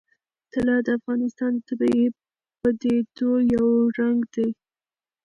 طلا د افغانستان د طبیعي پدیدو یو رنګ دی.